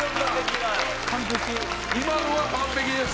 今のは完璧です。